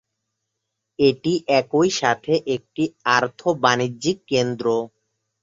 এটি একই সাথে একটি আর্থ-বাণিজ্যিক কেন্দ্র।